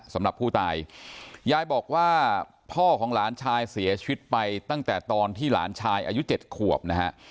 สำหรับผู้ตายยายบอกว่าพ่อของหลานชายเสียชีวิตไปตั้งแต่ตอนที่หลานชายอายุ๗ขวบนะฮะ